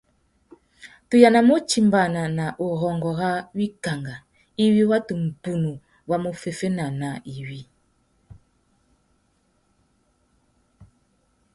Tu yānamú utimbāna nà urrôngô râ wikangá iwí watu mbunu wá mú féffena nà iwí.